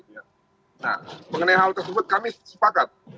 nah mengenai hal tersebut kami sepakat